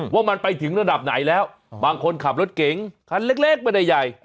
ว่ามันไปถึงระดับไหนแล้วบางคนขับรถเก๋งคันเล็กไม่ได้ใหญ่